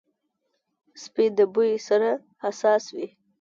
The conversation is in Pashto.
سپي د بوی سره حساس وي.